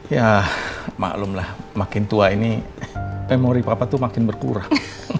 ya maklum lah makin tua ini memori papa itu makin berkurang